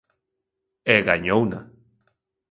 E gañouna.